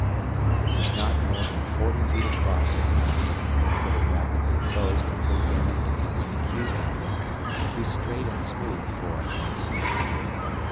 It was not more than forty feet across at the mouth, but it rapidly closed until it ended in an acute angle, too straight and smooth for an ascent.